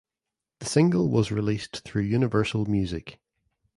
The single was released through Universal Music.